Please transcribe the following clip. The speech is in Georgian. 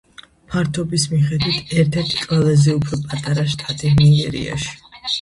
ფართობის მიხედვით ერთ-ერთი ყველაზე უფრო პატარა შტატი ნიგერიაში.